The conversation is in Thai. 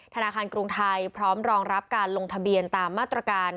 ธนาคารกรุงไทยพร้อมรองรับการลงทะเบียนตามมาตรการ